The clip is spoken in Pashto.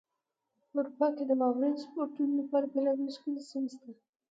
په اروپا کې د واورین سپورتونو لپاره بېلابېلې ښکلې سیمې شته.